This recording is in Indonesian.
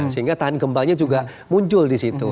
sehingga tahanan kembangnya juga muncul disitu